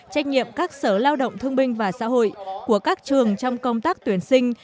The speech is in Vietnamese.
trách nhiệm các sở lao động thương binh và xã hội của các trường trong công tác tuyển sinh